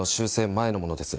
前のものです。